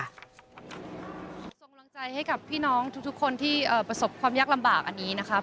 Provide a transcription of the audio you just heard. ส่งกำลังใจให้กับพี่น้องทุกคนที่ประสบความยากลำบากอันนี้นะครับ